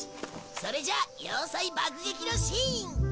それじゃ要塞爆撃のシーン用意。